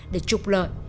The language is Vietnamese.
để trục lợi